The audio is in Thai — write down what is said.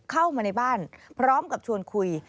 เข้ามาในบ้านพร้อมกับชวนคุย